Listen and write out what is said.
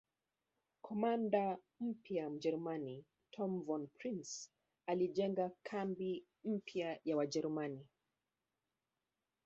Kamanda mpya Mjerumani Tom Von Prince alijenga kambi mpya ya Wajerumani